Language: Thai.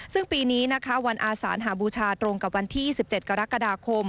ซึ่งปีนี้นะคะวันอาสานหาบูชาตรงกับวันที่๑๗กรกฎาคม